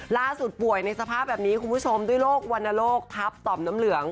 ป่วยในสภาพแบบนี้คุณผู้ชมด้วยโรควรรณโรคทับต่อมน้ำเหลือง